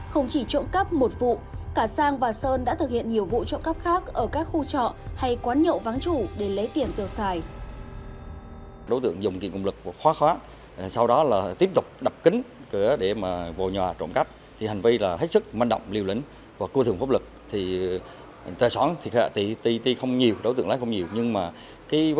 không chỉ trộn cắp một vụ cả sang và sơn đã thực hiện nhiều vụ trộn cắp khác ở các khu trọ hay quán nhậu vắng chủ để lấy tiền tiêu xài